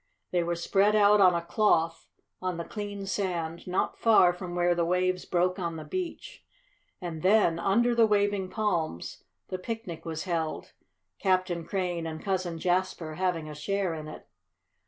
They were spread out on a cloth on the clean sand, not far from where the waves broke on the beach, and then, under the waving palms, the picnic was held, Captain Crane and Cousin Jasper having a share in it.